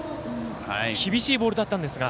厳しいボールだったんですが。